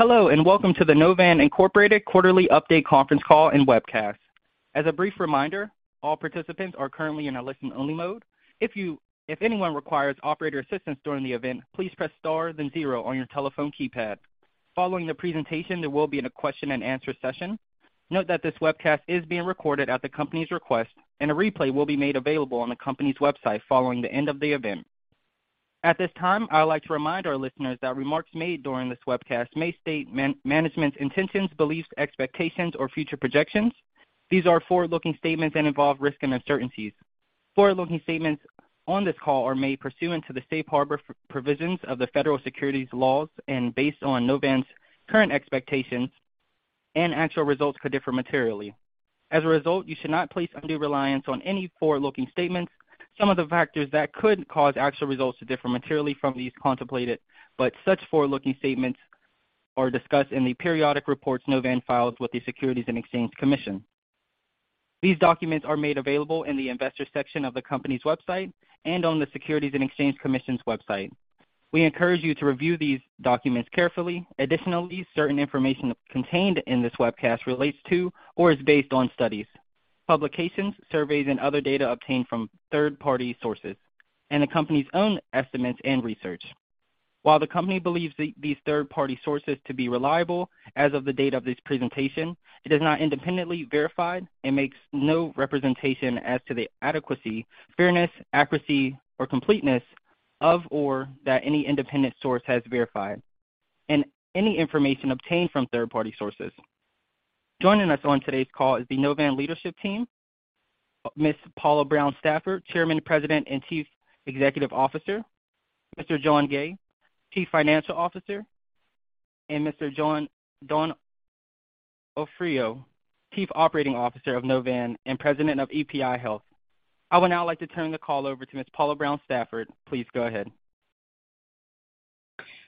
Hello, and Welcome to the Novan, Inc Quarterly Update Conference Call and Webcast. As a brief reminder, all participants are currently in a listen-only mode. If anyone requires operator assistance during the event, please press star then zero on your telephone keypad. Following the presentation, there will be a question and answer session. Note that this webcast is being recorded at the company's request, and a replay will be made available on the company's website following the end of the event. At this time, I would like to remind our listeners that remarks made during this webcast may state management's intentions, beliefs, expectations, or future projections. These are forward-looking statements and involve risk and uncertainties. Forward-looking statements on this call are made pursuant to the safe harbor provisions of the federal securities laws and based on Novan's current expectations, and actual results could differ materially. As a result, you should not place undue reliance on any forward-looking statements. Some of the factors that could cause actual results to differ materially from these contemplated. Such forward-looking statements are discussed in the periodic reports Novan files with the Securities and Exchange Commission. These documents are made available in the Investors section of the company's website and on the Securities and Exchange Commission's website. We encourage you to review these documents carefully. Additionally, certain information contained in this webcast relates to or is based on studies, publications, surveys, and other data obtained from third-party sources and the company's own estimates and research. While the company believes these third-party sources to be reliable as of the date of this presentation, it is not independently verified and makes no representation as to the adequacy, fairness, accuracy, or completeness of, or that any independent source has verified any information obtained from third-party sources. Joining us on today's call is the Novan leadership team, Ms. Paula Brown Stafford, Chairman, President, and Chief Executive Officer, Mr. John Gay, Chief Financial Officer, and Mr. John Donofrio, Chief Operating Officer of Novan and President of EPI Health. I would now like to turn the call over to Ms. Paula Brown Stafford. Please go ahead.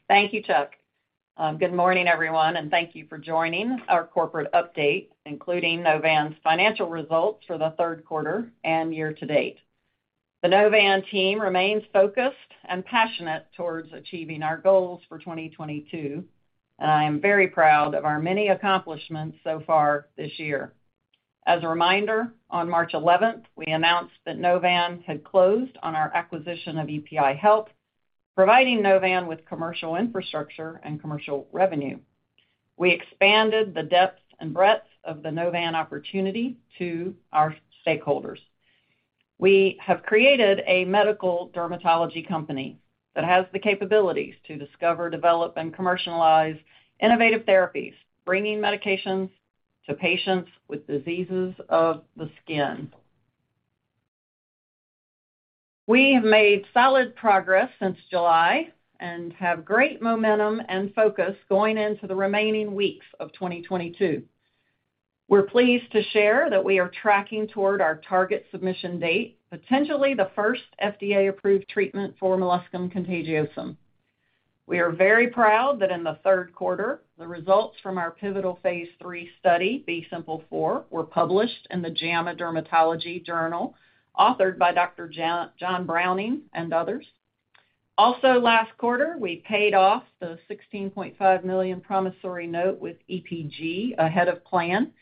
Thank you, Chuck. Good morning, everyone, and thank you for joining our corporate update, including Novan's financial results for the third quarter and year-to-date. The Novan team remains focused and passionate towards achieving our goals for 2022, and I am very proud of our many accomplishments so far this year. As a reminder, on March 11, we announced that Novan had closed on our acquisition of EPI Health, providing Novan with commercial infrastructure and commercial revenue. We expanded the depth and breadth of the Novan opportunity to our stakeholders. We have created a medical dermatology company that has the capabilities to discover, develop, and commercialize innovative therapies, bringing medications to patients with diseases of the skin. We have made solid progress since July and have great momentum and focus going into the remaining weeks of 2022. We're pleased to share that we are tracking toward our target submission date, potentially the first FDA-approved treatment for Molluscum contagiosum. We are very proud that in the third quarter, the results from our pivotal phase III study, B-SIMPLE4, were published in JAMA Dermatology, authored by Dr. John Browning and others. Also last quarter, we paid off the $16.5 million promissory note with EPI Health ahead of plan,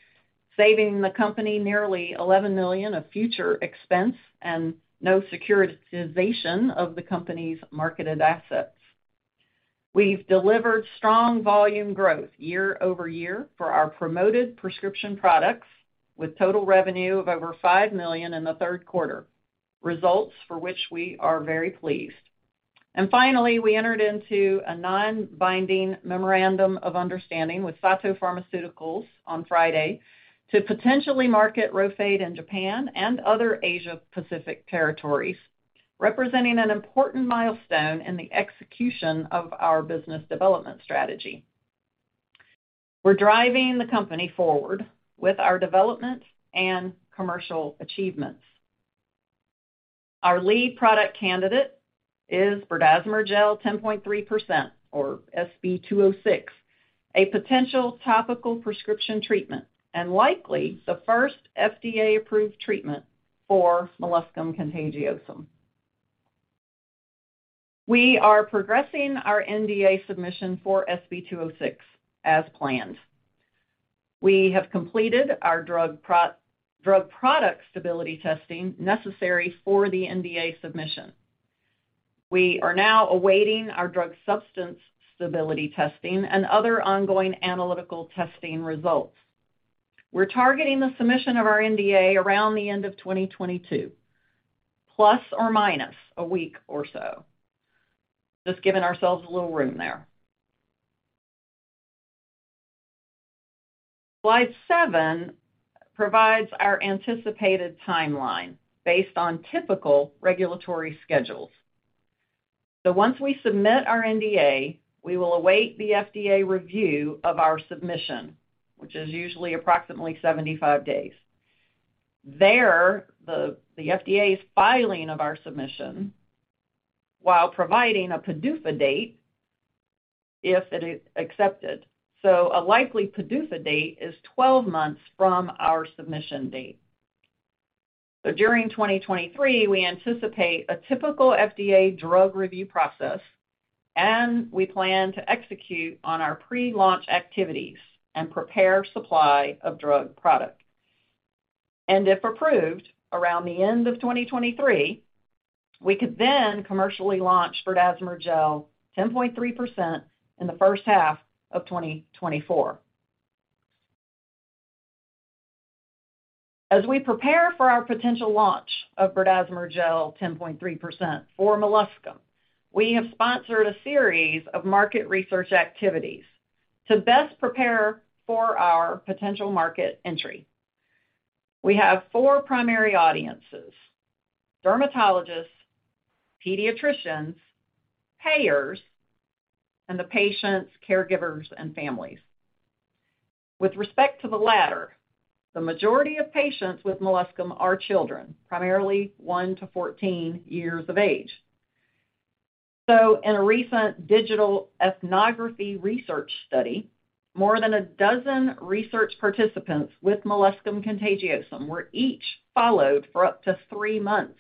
saving the company nearly $11 million of future expense and no securitization of the company's marketed assets. We've delivered strong volume growth year-over-year for our promoted prescription products, with total revenue of over $5 million in the third quarter, results for which we are very pleased. Finally, we entered into a non-binding memorandum of understanding with SATO Pharmaceutical on Friday to potentially market RHOFADE in Japan and other Asia Pacific territories, representing an important milestone in the execution of our business development strategy. We're driving the company forward with our development and commercial achievements. Our lead product candidate is Berdazimer Gel, 10.3% or SB206, a potential topical prescription treatment and likely the first FDA-approved treatment for Molluscum contagiosum. We are progressing our NDA submission for SB206 as planned. We have completed our drug pro-drug product stability testing necessary for the NDA submission. We are now awaiting our drug substance stability testing and other ongoing analytical testing results. We're targeting the submission of our NDA around the end of 2022±, a week or so. Just giving ourselves a little room there. Slide seven provides our anticipated timeline based on typical regulatory schedules. Once we submit our NDA, we will await the FDA review of our submission, which is usually approximately 75 days. Then, the FDA's filing of our submission, while providing a PDUFA date if it is accepted. A likely PDUFA date is 12 months from our submission date. During 2023, we anticipate a typical FDA drug review process, and we plan to execute on our pre-launch activities and prepare supply of drug product. If approved around the end of 2023, we could then commercially launch Berdazimer Gel 10.3% in the first half of 2024. As we prepare for our potential launch of Berdazimer Gel 10.3% for Molluscum, we have sponsored a series of market research activities to best prepare for our potential market entry. We have four primary audiences, dermatologists, pediatricians, payers, and the patients, caregivers, and families. With respect to the latter, the majority of patients with Molluscum are children, primarily 1 to 14 years of age. In a recent digital ethnography research study, more than a dozen research participants with Molluscum contagiosum were each followed for up to 3 months.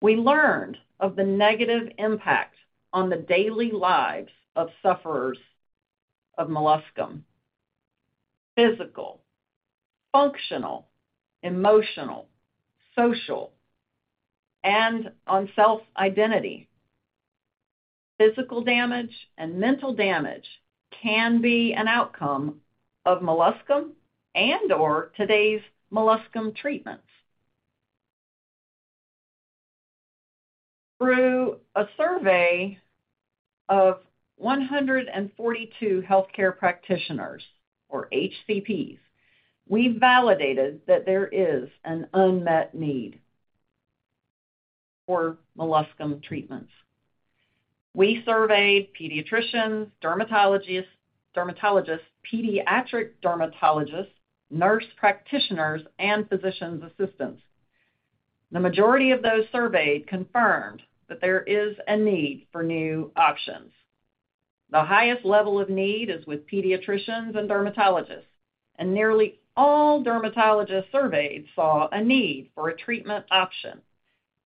We learned of the negative impact on the daily lives of sufferers of Molluscum, physical, functional, emotional, social, and on self-identity. Physical damage and mental damage can be an outcome of Molluscum and/or today's Molluscum treatments. Through a survey of 142 healthcare practitioners or HCPs, we validated that there is an unmet need for Molluscum treatments. We surveyed pediatricians, dermatologists, pediatric dermatologists, nurse practitioners, and physician assistants. The majority of those surveyed confirmed that there is a need for new options. The highest level of need is with pediatricians and dermatologists, and nearly all dermatologists surveyed saw a need for a treatment option.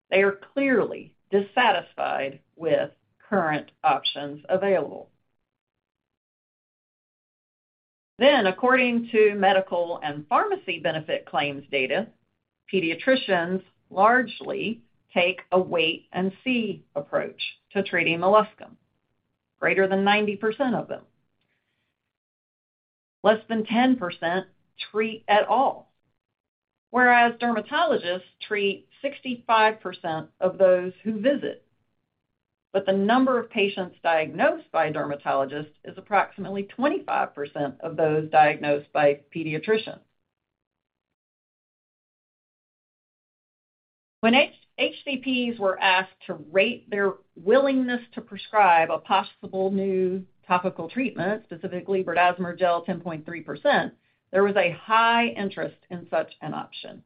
They are clearly dissatisfied with current options available. According to medical and pharmacy benefit claims data, pediatricians largely take a wait and see approach to treating Molluscum, greater than 90% of them. Less than 10% treat at all. Whereas dermatologists treat 65% of those who visit. The number of patients diagnosed by a dermatologist is approximately 25% of those diagnosed by pediatricians. When HCPs were asked to rate their willingness to prescribe a possible new topical treatment, specifically Berdazimer Gel, 10.3%, there was a high interest in such an option,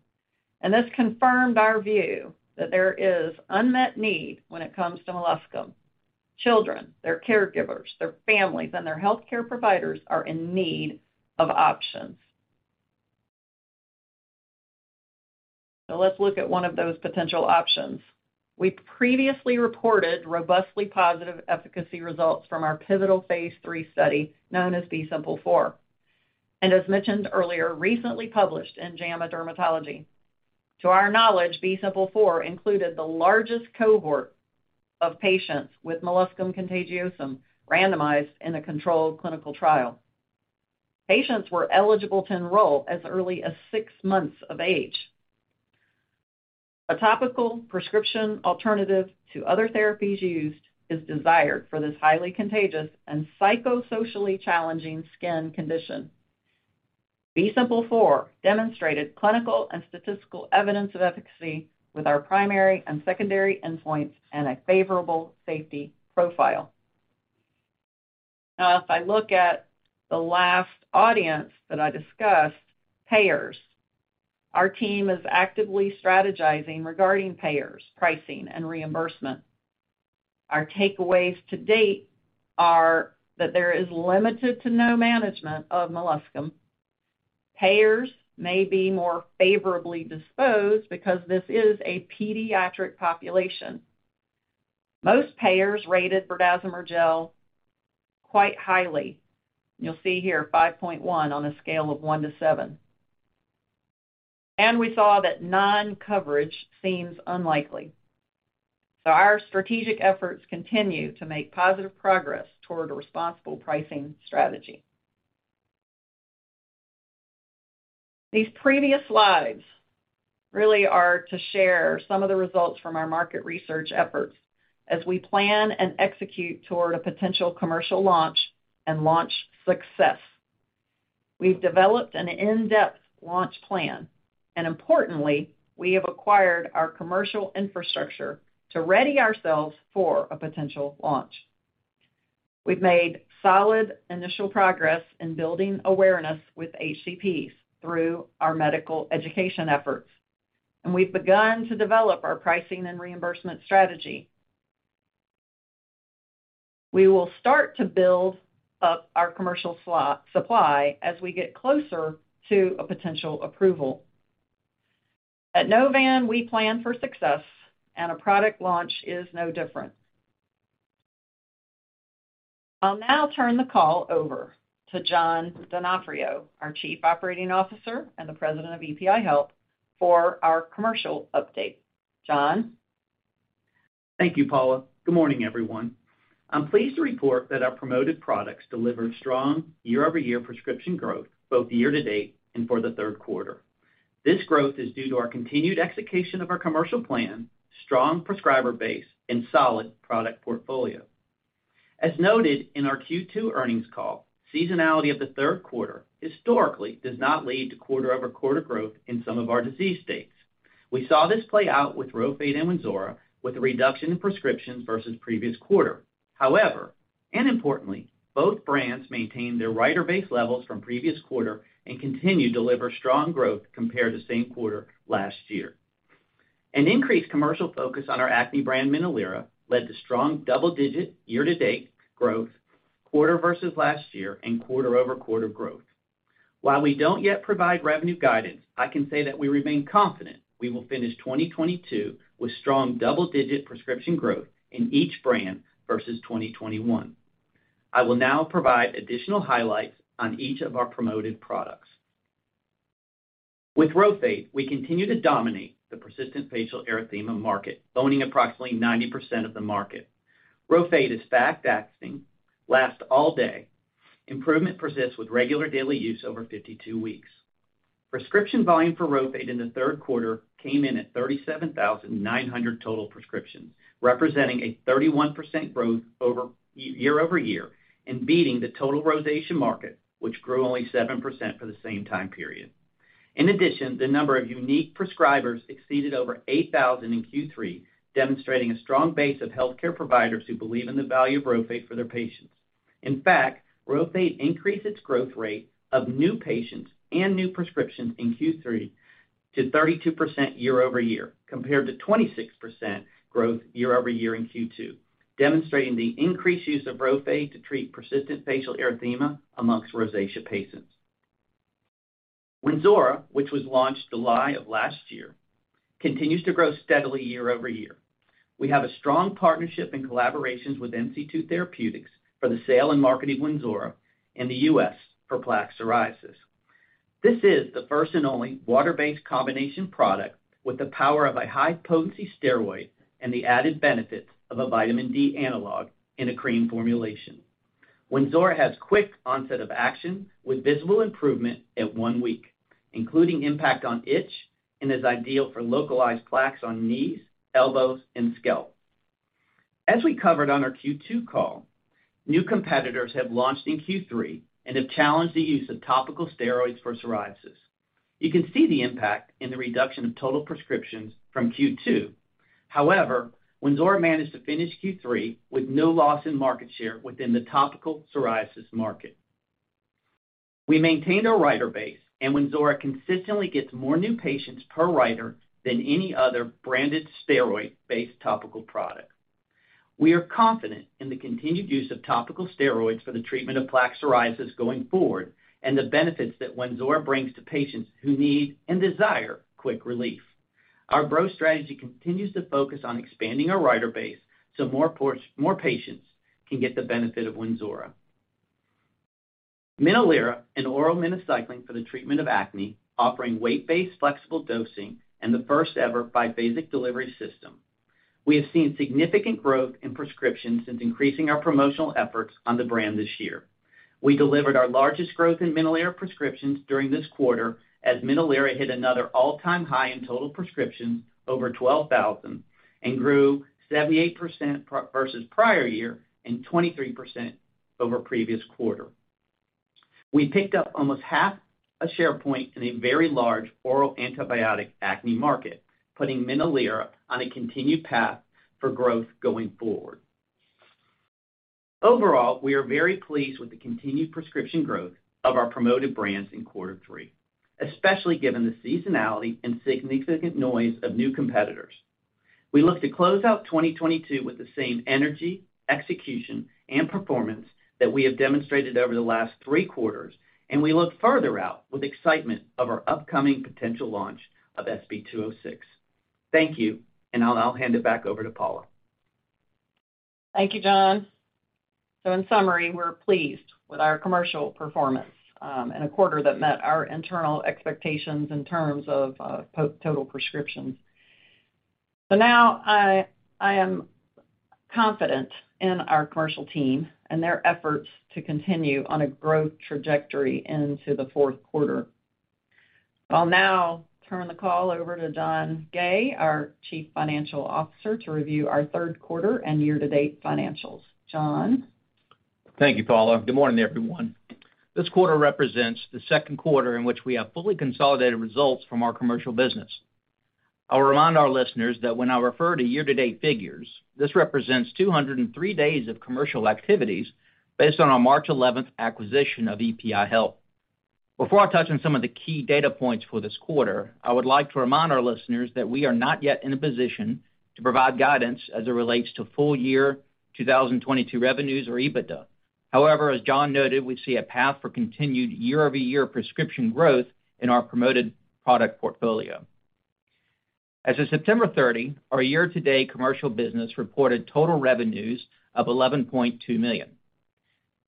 and this confirmed our view that there is unmet need when it comes to Molluscum. Children, their caregivers, their families, and their healthcare providers are in need of options. Let's look at one of those potential options. We previously reported robustly positive efficacy results from our pivotal phase III study known as B-SIMPLE4, and as mentioned earlier, recently published in JAMA Dermatology. To our knowledge, B-SIMPLE4 included the largest cohort of patients with Molluscum contagiosum randomized in a controlled clinical trial. Patients were eligible to enroll as early as six months of age. A topical prescription alternative to other therapies used is desired for this highly contagious and psychosocially challenging skin condition. B-SIMPLE4 demonstrated clinical and statistical evidence of efficacy with our primary and secondary endpoints and a favorable safety profile. Now, if I look at the last audience that I discussed, payers, our team is actively strategizing regarding payers, pricing, and reimbursement. Our takeaways to date are that there is limited to no management of Molluscum. Payers may be more favorably disposed because this is a pediatric population. Most payers rated Berdazimer Gel quite highly. You'll see here 5.1 on a scale of 1 to 7. We saw that non-coverage seems unlikely. Our strategic efforts continue to make positive progress toward a responsible pricing strategy. These previous slides really are to share some of the results from our market research efforts as we plan and execute toward a potential commercial launch and launch success. We've developed an in-depth launch plan, and importantly, we have acquired our commercial infrastructure to ready ourselves for a potential launch. We've made solid initial progress in building awareness with HCPs through our medical education efforts, and we've begun to develop our pricing and reimbursement strategy. We will start to build up our commercial supply as we get closer to a potential approval. At Novan, we plan for success, and a product launch is no different. I'll now turn the call over to John Donofrio, our Chief Operating Officer and the President of EPI Health, for our commercial update. John? Thank you, Paula. Good morning, everyone. I'm pleased to report that our promoted products delivered strong year-over-year prescription growth, both year-to-date and for the third quarter. This growth is due to our continued execution of our commercial plan, strong prescriber base, and solid product portfolio. As noted in our Q2 earnings call, seasonality of the third quarter historically does not lead to quarter-over-quarter growth in some of our disease states. We saw this play out with RHOFADE and WYNZORA with a reduction in prescriptions versus previous quarter. However, and importantly, both brands maintained their writer base levels from previous quarter and continue to deliver strong growth compared to same quarter last year. An increased commercial focus on our acne brand, MINOLIRA, led to strong double-digit year-to-date growth quarter versus last year and quarter-over-quarter growth. While we don't yet provide revenue guidance, I can say that we remain confident we will finish 2022 with strong double-digit prescription growth in each brand versus 2021. I will now provide additional highlights on each of our promoted products. With RHOFADE, we continue to dominate the persistent facial erythema market, owning approximately 90% of the market. RHOFADE is fast-acting, lasts all day. Improvement persists with regular daily use over 52 weeks. Prescription volume for RHOFADE in the third quarter came in at 37,900 total prescriptions, representing a 31% growth over year-over-year and beating the total rosacea market, which grew only 7% for the same time period. In addition, the number of unique prescribers exceeded over 8,000 in Q3, demonstrating a strong base of healthcare providers who believe in the value of RHOFADE for their patients. In fact, RHOFADE increased its growth rate of new patients and new prescriptions in Q3 to 32% year-over-year, compared to 26% growth year-over-year in Q2, demonstrating the increased use of RHOFADE to treat persistent facial erythema among rosacea patients. WYNZORA, which was launched July of last year, continues to grow steadily year-over-year. We have a strong partnership and collaborations with MC2 Therapeutics for the sale and marketing of WYNZORA in the U.S. for plaque psoriasis. This is the first and only water-based combination product with the power of a high-potency steroid and the added benefits of a vitamin D analog in a cream formulation. WYNZORA has quick onset of action with visible improvement at one week, including impact on itch and is ideal for localized plaques on knees, elbows, and scalp. As we covered on our Q2 call, new competitors have launched in Q3 and have challenged the use of topical steroids for psoriasis. You can see the impact in the reduction of total prescriptions from Q2. However, WYNZORA managed to finish Q3 with no loss in market share within the topical psoriasis market. We maintained our writer base, and WYNZORA consistently gets more new patients per writer than any other branded steroid-based topical product. We are confident in the continued use of topical steroids for the treatment of plaque psoriasis going forward and the benefits that WYNZORA brings to patients who need and desire quick relief. Our growth strategy continues to focus on expanding our writer base so more patients can get the benefit of WYNZORA. MINOLIRA, an oral minocycline for the treatment of acne, offering weight-based flexible dosing and the first-ever biphasic delivery system. We have seen significant growth in prescriptions since increasing our promotional efforts on the brand this year. We delivered our largest growth in MINOLIRA prescriptions during this quarter as MINOLIRA hit another all-time high in total prescriptions, over 12,000, and grew 78% versus prior year and 23% over previous quarter. We picked up almost half a share point in a very large oral antibiotic acne market, putting MINOLIRA on a continued path for growth going forward. Overall, we are very pleased with the continued prescription growth of our promoted brands in quarter three, especially given the seasonality and significant noise of new competitors. We look to close out 2022 with the same energy, execution, and performance that we have demonstrated over the last three quarters, and we look further out with excitement of our upcoming potential launch of SB206. Thank you, and I'll hand it back over to Paula. Thank you, John. In summary, we're pleased with our commercial performance in a quarter that met our internal expectations in terms of total prescriptions. Now I am confident in our commercial team and their efforts to continue on a growth trajectory into the fourth quarter. I'll now turn the call over to John Gay, our Chief Financial Officer, to review our third quarter and year-to-date financials. John? Thank you, Paula. Good morning, everyone. This quarter represents the second quarter in which we have fully consolidated results from our commercial business. I'll remind our listeners that when I refer to year-to-date figures, this represents 203 days of commercial activities based on our March eleventh acquisition of EPI Health. Before I touch on some of the key data points for this quarter, I would like to remind our listeners that we are not yet in a position to provide guidance as it relates to full year 2022 revenues or EBITDA. However, as John noted, we see a path for continued year-over-year prescription growth in our promoted product portfolio. As of September 30, our year-to-date commercial business reported total revenues of $11.2 million.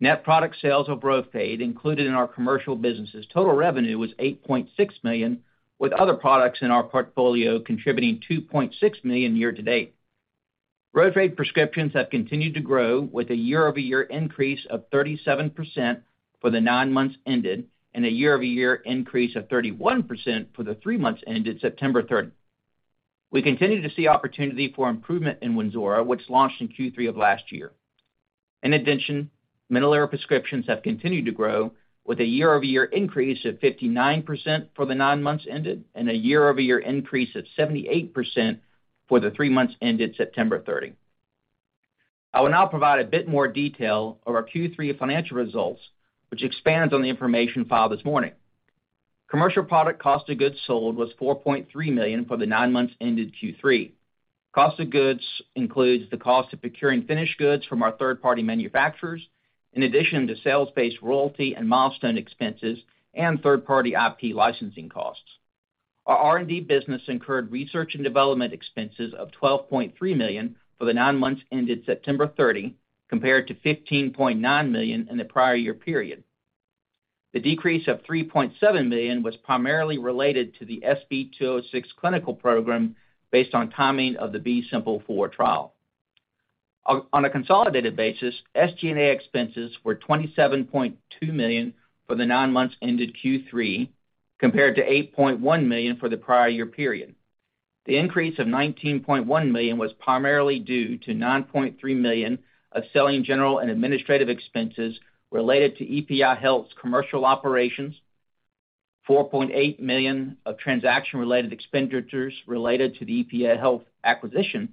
Net product sales of RHOFADE included in our commercial business's total revenue was $8.6 million, with other products in our portfolio contributing $2.6 million year to date. RHOFADE prescriptions have continued to grow with a year-over-year increase of 37% for the nine months ended, and a year-over-year increase of 31% for the three months ended September 30. We continue to see opportunity for improvement in WYNZORA, which launched in Q3 of last year. In addition, MINOLIRA prescriptions have continued to grow with a year-over-year increase of 59% for the nine months ended, and a year-over-year increase of 78% for the three months ended September 30. I will now provide a bit more detail of our Q3 financial results, which expands on the information filed this morning. Commercial product cost of goods sold was $4.3 million for the nine months ended Q3. Cost of goods includes the cost of procuring finished goods from our third-party manufacturers, in addition to sales-based royalty and milestone expenses and third-party IP licensing costs. Our R&D business incurred research and development expenses of $12.3 million for the nine months ended September 30, compared to $15.9 million in the prior year period. The decrease of $3.7 million was primarily related to the SB206 clinical program based on timing of the B-SIMPLE4 trial. On a consolidated basis, SG&A expenses were $27.2 million for the nine months ended Q3, compared to $8.1 million for the prior year period. The increase of $19.1 million was primarily due to $9.3 million of selling general and administrative expenses related to EPI Health's commercial operations, $4.8 million of transaction-related expenditures related to the EPI Health acquisition,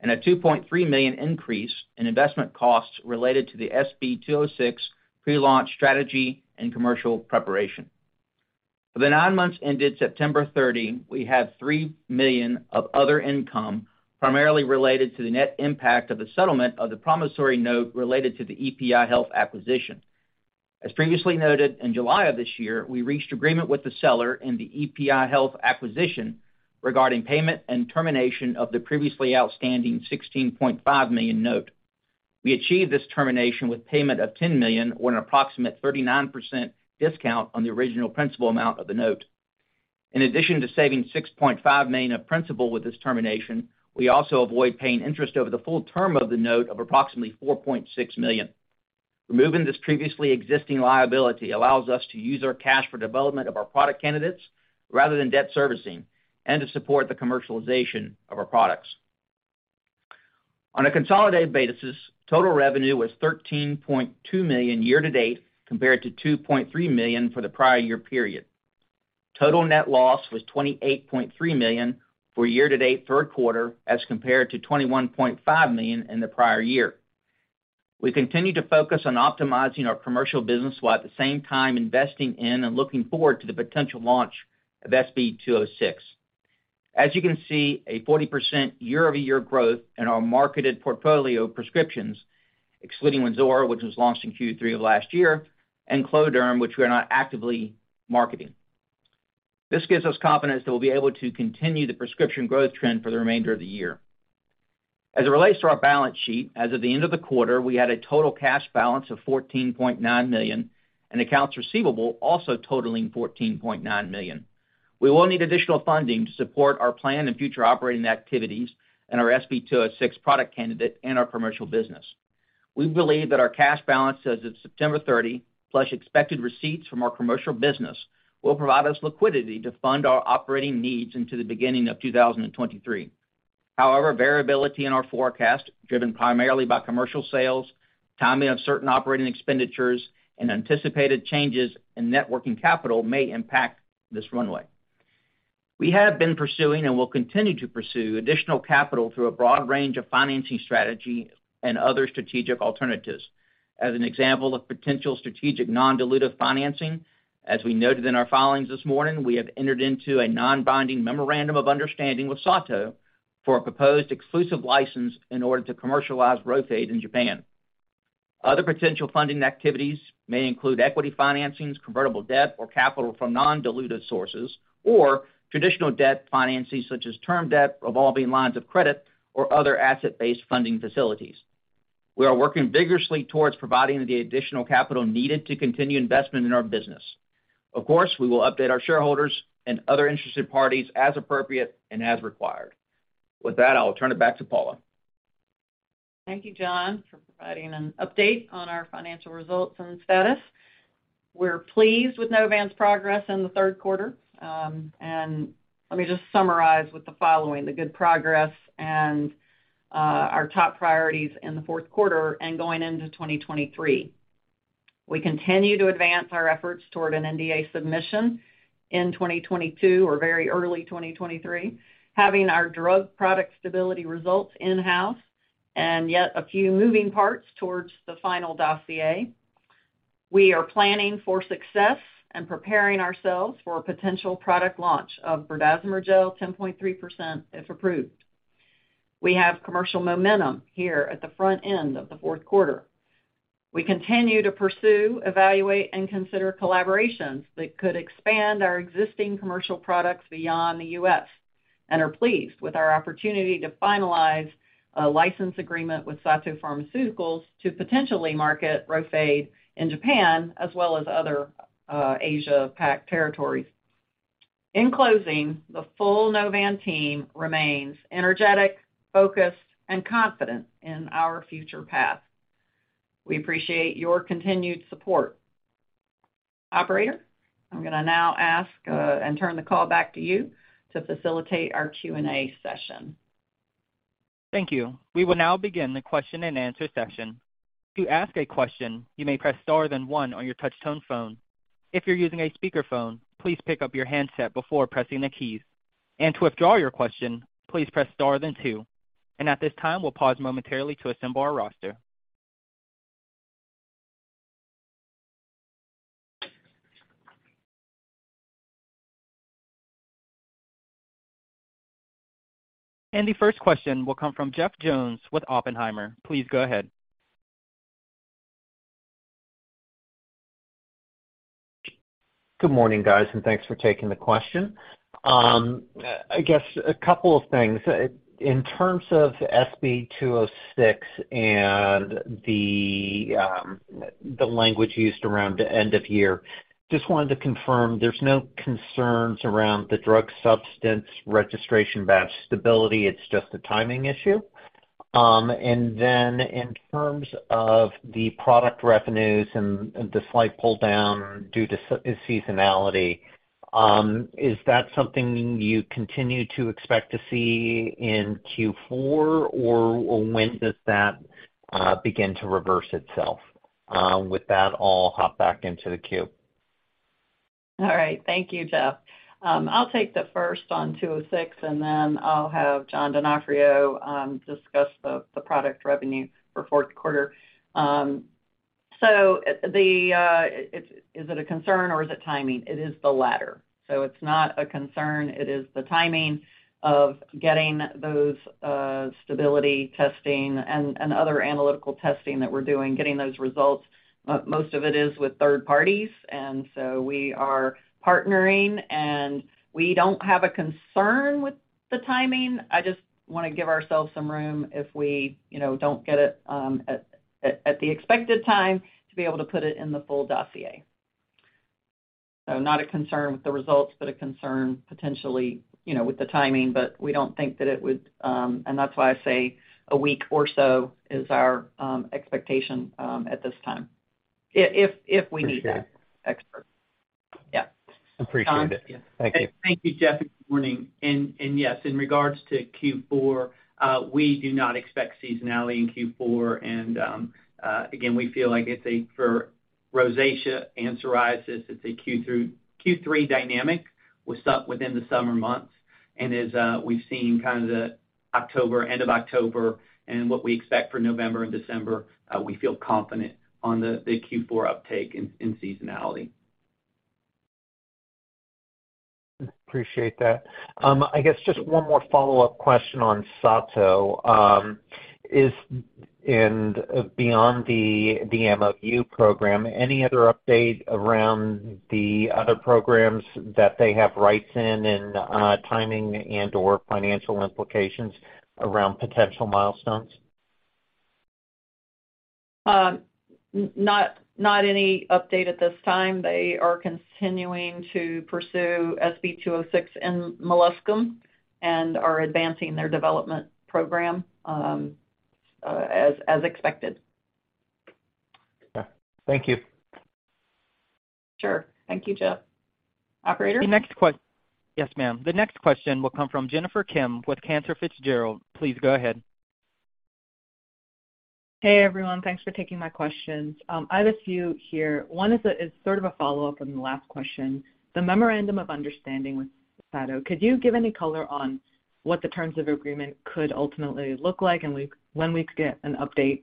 and a $2.3 million increase in investment costs related to the SB206 pre-launch strategy and commercial preparation. For the nine months ended September 30, we had $3 million of other income, primarily related to the net impact of the settlement of the promissory note related to the EPI Health acquisition. As previously noted, in July of this year, we reached agreement with the seller in the EPI Health acquisition regarding payment and termination of the previously outstanding $16.5 million note. We achieved this termination with payment of $10 million, or an approximate 39% discount on the original principal amount of the note. In addition to saving $6.5 million of principal with this termination, we also avoid paying interest over the full term of the note of approximately $4.6 million. Removing this previously existing liability allows us to use our cash for development of our product candidates rather than debt servicing, and to support the commercialization of our products. On a consolidated basis, total revenue was $13.2 million year-to-date compared to $2.3 million for the prior year period. Total net loss was $28.3 million for year-to-date third quarter as compared to $21.5 million in the prior year. We continue to focus on optimizing our commercial business while at the same time investing in and looking forward to the potential launch of SB206. As you can see, a 40% year-over-year growth in our marketed portfolio prescriptions, excluding WYNZORA, which was launched in Q3 of last year, and Cloderm, which we are not actively marketing. This gives us confidence that we'll be able to continue the prescription growth trend for the remainder of the year. As it relates to our balance sheet, as of the end of the quarter, we had a total cash balance of $14.9 million, and accounts receivable also totaling $14.9 million. We will need additional funding to support our plan and future operating activities and our SB206 product candidate and our commercial business. We believe that our cash balance as of September 30, plus expected receipts from our commercial business, will provide us liquidity to fund our operating needs into the beginning of 2023. However, variability in our forecast, driven primarily by commercial sales, timing of certain operating expenditures, and anticipated changes in net working capital may impact this runway. We have been pursuing and will continue to pursue additional capital through a broad range of financing strategy and other strategic alternatives. As an example of potential strategic non-dilutive financing, as we noted in our filings this morning, we have entered into a non-binding memorandum of understanding with SATO for a proposed exclusive license in order to commercialize RHOFADE in Japan. Other potential funding activities may include equity financings, convertible debt, or capital from non-dilutive sources, or traditional debt financings such as term debt, revolving lines of credit, or other asset-based funding facilities. We are working vigorously towards providing the additional capital needed to continue investment in our business. Of course, we will update our shareholders and other interested parties as appropriate and as required. With that, I will turn it back to Paula. Thank you, John, for providing an update on our financial results and status. We're pleased with Novan's progress in the third quarter, and let me just summarize with the following, the good progress and, our top priorities in the fourth quarter and going into 2023. We continue to advance our efforts toward an NDA submission in 2022 or very early 2023, having our drug product stability results in-house. Yet a few moving parts towards the final dossier. We are planning for success and preparing ourselves for a potential product launch of Berdazimer Gel, 10.3% if approved. We have commercial momentum here at the front end of the fourth quarter. We continue to pursue, evaluate, and consider collaborations that could expand our existing commercial products beyond the US, and are pleased with our opportunity to finalize a license agreement with SATO Pharmaceutical to potentially market RHOFADE in Japan as well as other, Asia PAC territories. In closing, the full Novan team remains energetic, focused, and confident in our future path. We appreciate your continued support. Operator, I'm gonna now ask, and turn the call back to you to facilitate our Q&A session. Thank you. We will now begin the question-and-answer session. To ask a question, you may press star, then one on your touch-tone phone. If you're using a speakerphone, please pick up your handset before pressing the keys. To withdraw your question, please press star, then two. At this time, we'll pause momentarily to assemble our roster. The first question will come from Jeff Jones with Oppenheimer. Please go ahead. Good morning, guys, and thanks for taking the question. I guess a couple of things. In terms of SB206 and the language used around end of year, just wanted to confirm there's no concerns around the drug substance registration batch stability, it's just a timing issue? And then in terms of the product revenues and the slight pull down due to seasonality, is that something you continue to expect to see in Q4, or when does that begin to reverse itself? With that, I'll hop back into the queue. All right. Thank you, Jeff. I'll take the first on 206, and then I'll have John Donofrio discuss the product revenue for fourth quarter. Is it a concern or is it timing? It is the latter. It's not a concern, it is the timing of getting those stability testing and other analytical testing that we're doing, getting those results. Most of it is with third parties, and we are partnering, and we don't have a concern with the timing. I just wanna give ourselves some room if we don't get it at the expected time to be able to put it in the full dossier. Not a concern with the results, but a concern potentially with the timing, but we don't think that it would. That's why I say a week or so is our expectation at this time. If we need that expert. Yeah. [John.] Appreciate it. Thank you. [Thank you.] Thank you, Jeff. Good morning. Yes, in regards to Q4, we do not expect seasonality in Q4. Again, we feel like it's for rosacea and psoriasis, it's a Q3 dynamic within the summer months. As we've seen kind of end of October and what we expect for November and December, we feel confident on the Q4 uptake in seasonality. Appreciate that. I guess just one more follow-up question on SATO. Is there, and beyond the MOU program, any other update around the other programs that they have rights in, and timing and/or financial implications around potential milestones? No update at this time. They are continuing to pursue SB206 in Molluscum and are advancing their development program, as expected. Okay. Thank you. Sure. Thank you, Jeff. Operator? Yes, ma'am. The next question will come from Jennifer Kim with Cantor Fitzgerald. Please go ahead. Hey, everyone. Thanks for taking my questions. I have a few here. One is sort of a follow-up from the last question. The memorandum of understanding with SATO, could you give any color on what the terms of agreement could ultimately look like and when we could get an update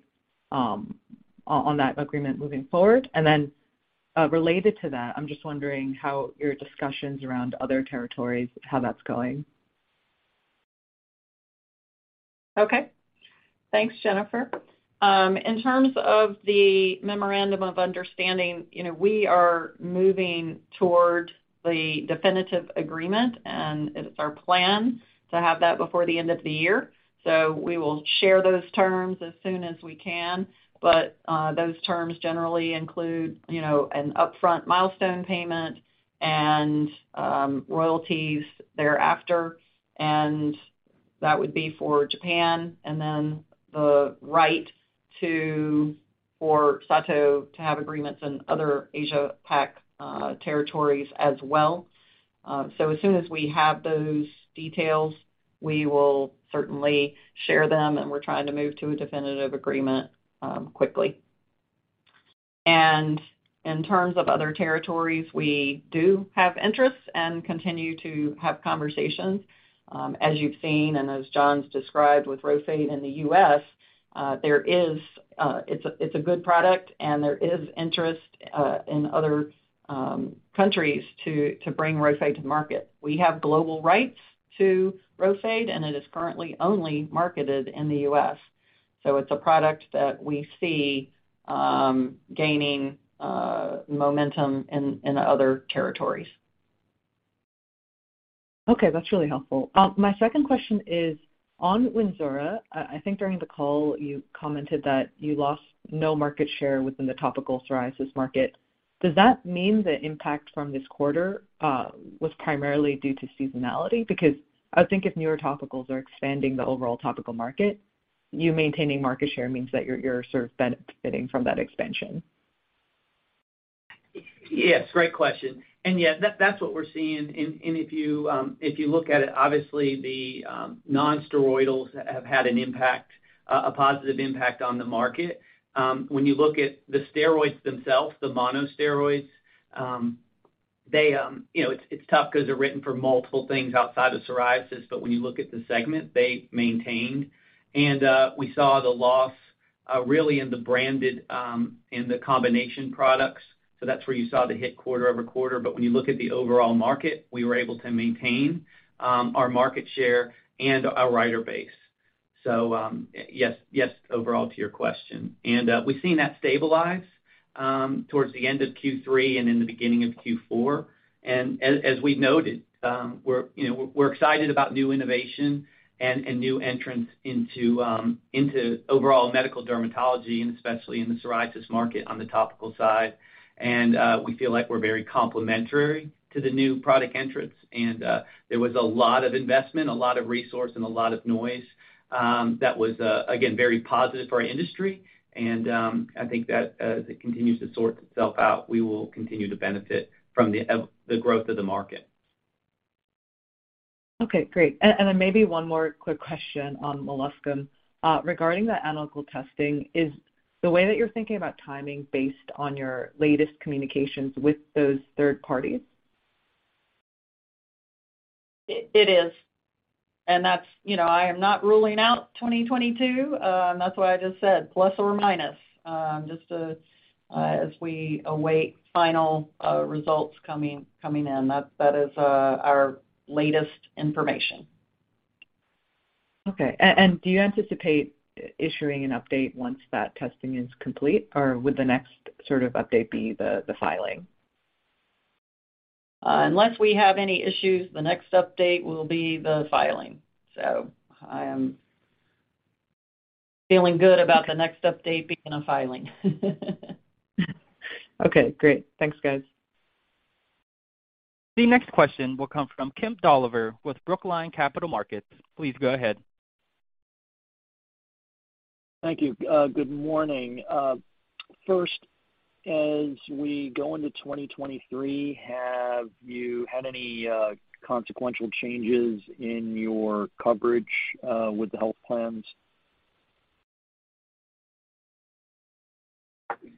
on that agreement moving forward? Related to that, I'm just wondering how your discussions around other territories, how that's going. Okay. Thanks, Jennifer. In terms of the memorandum of understanding, you know, we are moving toward the definitive agreement, and it's our plan to have that before the end of the year. We will share those terms as soon as we can. Those terms generally include, you know, an upfront milestone payment and royalties thereafter, and that would be for Japan, and then the right to, for SATO to have agreements in other Asia PAC territories as well. So as soon as we have those details, we will certainly share them, and we're trying to move to a definitive agreement quickly. In terms of other territories, we do have interests and continue to have conversations. As you've seen, and as John's described with RHOFADE in the U.S., it's a good product, and there is interest in other countries to bring RHOFADE to market. We have global rights to RHOFADE, and it is currently only marketed in the U.S. It's a product that we see gaining momentum in other territories. Okay, that's really helpful. My second question is on WYNZORA. I think during the call you commented that you lost no market share within the topical psoriasis market. Does that mean the impact from this quarter was primarily due to seasonality? Because I would think if newer topicals are expanding the overall topical market, you maintaining market share means that you're sort of benefiting from that expansion. Yes, great question. Yeah, that's what we're seeing. If you look at it, obviously the non-steroidals have had an impact, a positive impact on the market. When you look at the steroids themselves, the monosteroids, you know, it's tough 'cause they're written for multiple things outside of psoriasis, but when you look at the segment, they maintained. We saw the loss really in the branded in the combination products. That's where you saw the hit quarter-over-quarter. When you look at the overall market, we were able to maintain our market share and our prescriber base. Yes, overall to your question. We've seen that stabilize towards the end of Q3 and in the beginning of Q4. As we noted, you know, we're excited about new innovation and new entrants into overall medical dermatology and especially in the psoriasis market on the topical side. We feel like we're very complementary to the new product entrants. There was a lot of investment, a lot of resource, and a lot of noise that was, again, very positive for our industry. I think that as it continues to sort itself out, we will continue to benefit from the growth of the market. Okay, great. Then maybe one more quick question on Molluscum. Regarding the analytical testing, is the way that you're thinking about timing based on your latest communications with those third parties? It is. That's, you know, I am not ruling out 2022. That's why I just said plus or minus, just, as we await final results coming in. That is our latest information. Okay. Do you anticipate issuing an update once that testing is complete, or would the next sort of update be the filing? Unless we have any issues, the next update will be the filing. I am feeling good about the next update being a filing. Okay, great. Thanks, guys. The next question will come from Kemp Dolliver with Brookline Capital Markets. Please go ahead. Thank you. Good morning. First, as we go into 2023, have you had any consequential changes in your coverage with the health plans?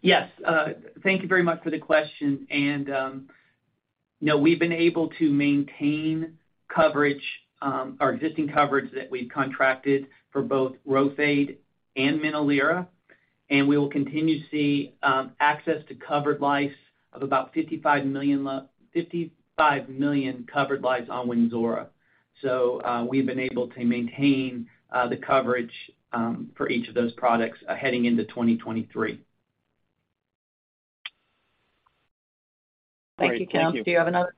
Yes. Thank you very much for the question. No, we've been able to maintain coverage or existing coverage that we've contracted for both RHOFADE and MINOLIRA. We will continue to see access to covered lives of about 55 million covered lives on WYNZORA. We've been able to maintain the coverage for each of those products heading into 2023. Thank you, Kemp. Do you have another?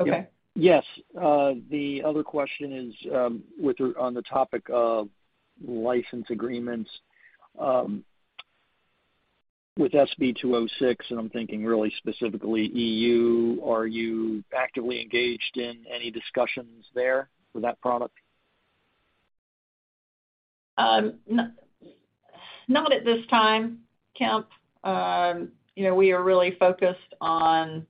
Okay. Yes. The other question is, on the topic of license agreements, with SB206, and I'm thinking really specifically EU, are you actively engaged in any discussions there for that product? Not at this time, Kemp. You know, we are really focused on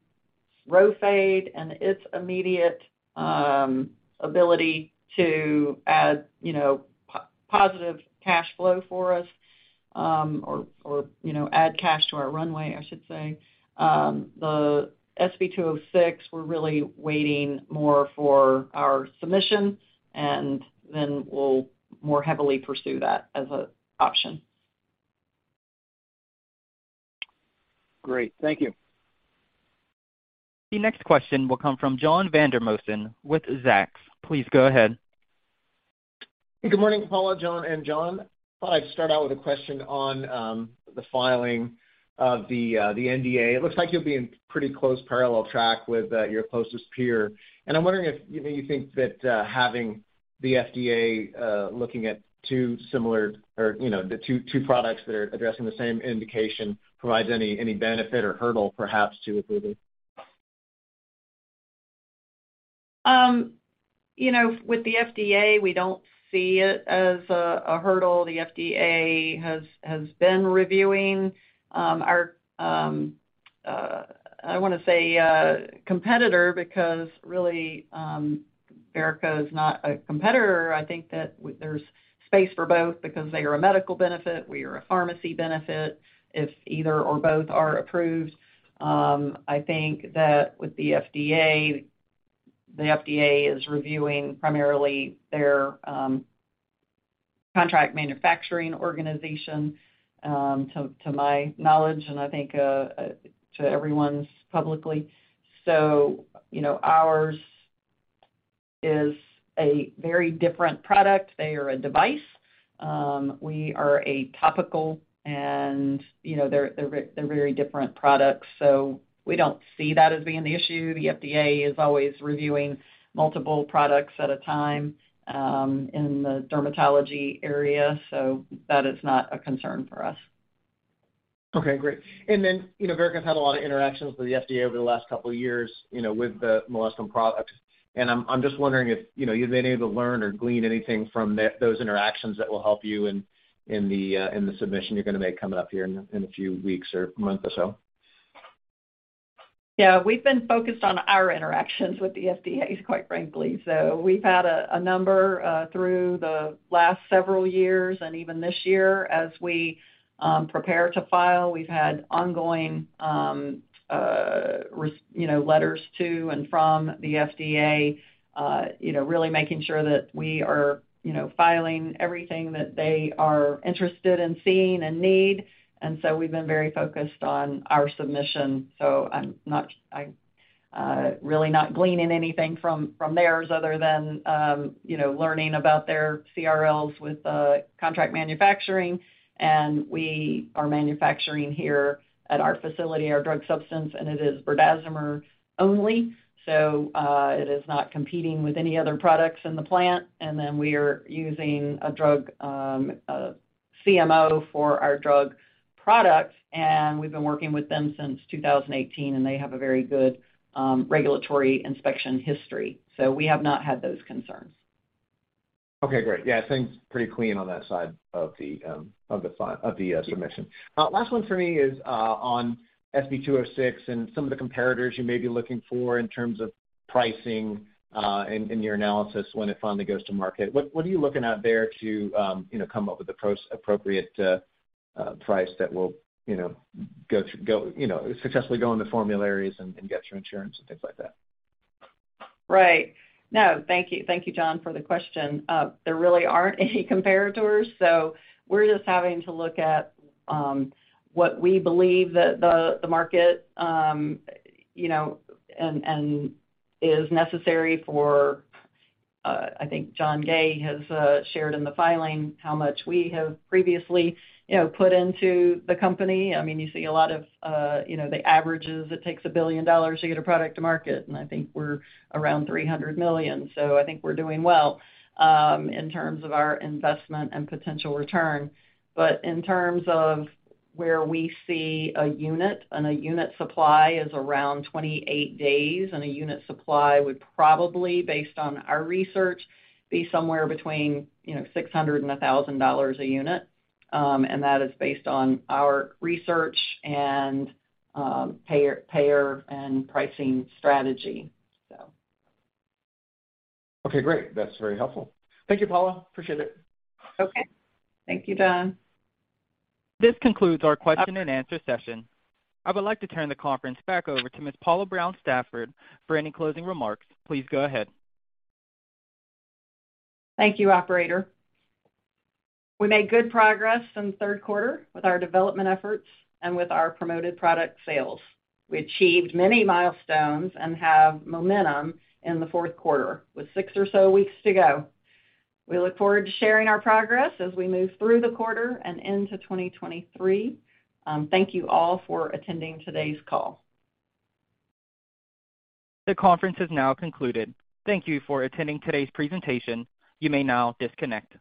RHOFADE and its immediate ability to add, you know, positive cash flow for us, or you know, add cash to our runway, I should say. The SB206, we're really waiting more for our submission, and then we'll more heavily pursue that as an option. Great. Thank you. The next question will come from John Vandermosten with Zacks. Please go ahead. Good morning, Paula, John, and John. Thought I'd start out with a question on the filing of the NDA. It looks like you'll be in pretty close parallel track with your closest peer, and I'm wondering if, you know, you think that having the FDA looking at two similar or, you know, the two products that are addressing the same indication provides any benefit or hurdle perhaps to approving? You know, with the FDA, we don't see it as a hurdle. The FDA has been reviewing our competitor because really, Verrica is not a competitor. I think that there's space for both because they are a medical benefit, we are a pharmacy benefit if either or both are approved. I think that with the FDA, the FDA is reviewing primarily their contract manufacturing organization, to my knowledge, and I think to everyone's knowledge publicly. You know, ours is a very different product. They are a device. We are a topical and, you know, they're very different products, so we don't see that as being the issue. The FDA is always reviewing multiple products at a time in the dermatology area, so that is not a concern for us. Okay, great. You know, Verrica's had a lot of interactions with the FDA over the last couple of years, you know, with the Molluscum products. I'm just wondering if, you know, you've been able to learn or glean anything from those interactions that will help you in the submission you're gonna make coming up here in a few weeks or month or so. Yeah. We've been focused on our interactions with the FDA, quite frankly. We've had a number through the last several years, and even this year as we prepare to file. We've had ongoing letters to and from the FDA, you know, really making sure that we are, you know, filing everything that they are interested in seeing and need. We've been very focused on our submission, so I'm really not gleaning anything from theirs other than, you know, learning about their CRLs with contract manufacturing. We are manufacturing here at our facility, our drug substance, and it is Berdazimer only. It is not competing with any other products in the plant. We are using a drug, a CMO for our drug product, and we've been working with them since 2018, and they have a very good, regulatory inspection history. We have not had those concerns. Okay, great. Yeah, things pretty clean on that side of the. Yeah.... submission. Last one for me is on SB206 and some of the comparators you may be looking for in terms of pricing, and your analysis when it finally goes to market. What are you looking out there to, you know, come up with appropriate price that will, you know, go, you know, successfully go into formularies and get your insurance and things like that? Right. No, thank you. Thank you, John, for the question. There really aren't any comparators, so we're just having to look at what we believe that the market, you know, and is necessary for. I think John Gay has shared in the filing how much we have previously, you know, put into the company. I mean, you see a lot of, you know, the averages, it takes $1 billion to get a product to market, and I think we're around $300 million. So I think we're doing well in terms of our investment and potential return. In terms of where we see a unit, and a unit supply is around 28 days, and a unit supply would probably, based on our research, be somewhere between, you know, $600-$1,000 a unit. That is based on our research and payer and pricing strategy. Okay, great. That's very helpful. Thank you, Paula. Appreciate it. Okay. Thank you, John. This concludes our question and answer session. I would like to turn the conference back over to Ms. Paula Brown Stafford for any closing remarks. Please go ahead. Thank you, operator. We made good progress in the third quarter with our development efforts and with our promoted product sales. We achieved many milestones and have momentum in the fourth quarter with six or so weeks to go. We look forward to sharing our progress as we move through the quarter and into 2023. Thank you all for attending today's call. The conference is now concluded. Thank you for attending today's presentation. You may now disconnect.